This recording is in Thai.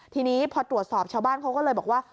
ทีนี้พอตรวจสอบชาวบ้านเขาก็เลยบอกว่า